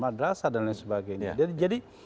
madrasa dan lain sebagainya